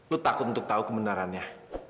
lu takut untuk tahu kebenarannya